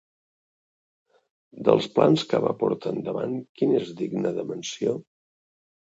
Dels plans que va portar endavant quin és digne de menció?